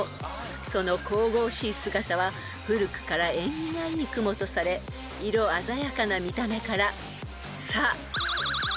［その神々しい姿は古くから縁起がいい雲とされ色鮮やかな見た目から「さん」と呼ばれています］